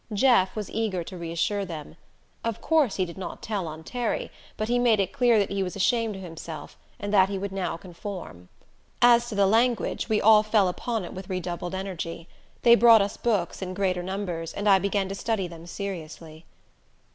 Jeff was eager to reassure them. Of course he did not tell on Terry, but he made it clear that he was ashamed of himself, and that he would now conform. As to the language we all fell upon it with redoubled energy. They brought us books, in greater numbers, and I began to study them seriously.